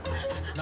何？